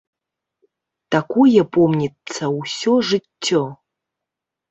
Такое помніцца ўсё жыццё.